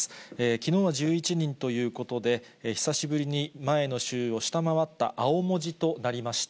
きのうは１１人ということで、久しぶりに前の週を下回った青文字となりました。